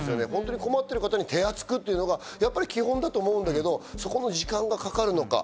困ってる方に手厚くというのが基本だと思うけど時間がかかるのか。